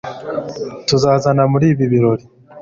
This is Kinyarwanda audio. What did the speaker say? tuzazana muri ibi birori